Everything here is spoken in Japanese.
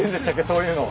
そういうの。